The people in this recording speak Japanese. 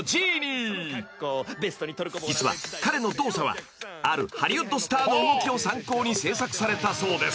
［実は彼の動作はあるハリウッドスターの動きを参考に制作されたそうです］